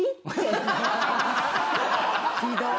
ひどい！